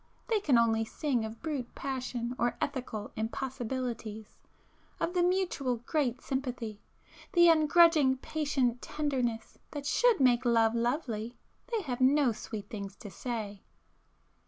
They can only sing of brute passion or ethical impossibilities,—of [p 418] the mutual great sympathy, the ungrudging patient tenderness that should make love lovely, they have no sweet things to say.